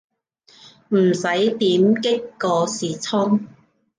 唔使點擊個視窗